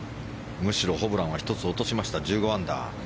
むしろホブランは１つ落としました１５アンダー。